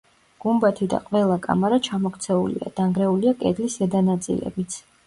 გუმბათი და ყველა კამარა ჩამოქცეულია, დანგრეულია კედლის ზედა ნაწილებიც.